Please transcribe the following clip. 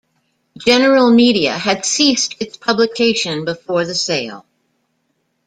General Media had ceased its publication before the sale.